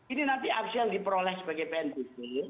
ini nanti aksi yang diperoleh sebagai pnbp